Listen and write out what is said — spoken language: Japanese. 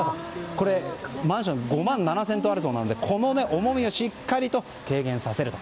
これ、マンション５万７０００トンあるそうなのでこの重みをしっかりと軽減させると。